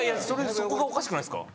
そこがおかしくないですか？